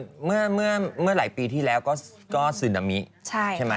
คือเมื่อหลายปีที่แล้วก็ซึนามิใช่ไหม